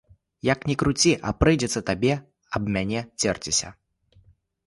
Як ні круці, а прыйдзецца табе аб мяне церціся.